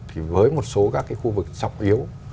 thì với một số các khu vực sọc yếu